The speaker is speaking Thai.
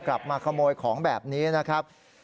กลับมาขโมยของแบบนี้นะครับ